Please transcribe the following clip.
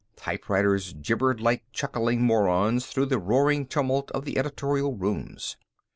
Typewriters gibbered like chuckling morons through the roaring tumult of the editorial rooms.